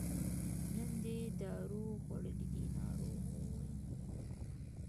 نن دې دارو خوړلي دي ناروغ وویل.